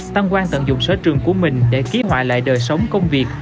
tăng quang tận dụng sở trường của mình để ký họa lại đời sống công việc